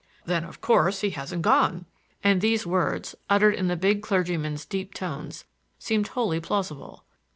"Then of course he hasn't gone!" and these words, uttered in the big clergyman's deep tones, seemed wholly plausible.